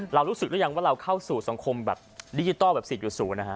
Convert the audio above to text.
เรารู้สึกหรือยังว่าเราเข้าสู่สังคมแบบดิจิทัลแบบ๔๐นะฮะ